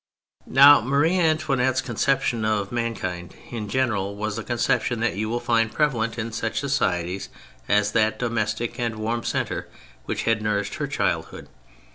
Now Marie Antoinette's conception of man kind in general was the conception that you will find prevalent in such societies as that domestic and warm centre which had nourished her childhood.